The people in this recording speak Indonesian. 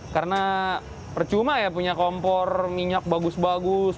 karena percuma ya punya kompor minyak bagus bagus